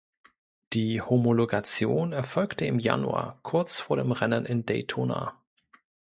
Die Homologation erfolgte im Januar kurz vor dem Rennen in Daytona.